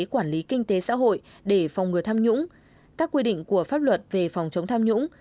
quản lý kinh tế xã hội để phòng ngừa tham nhũng các quy định của pháp luật về phòng chống tham nhũng